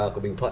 của bình thuận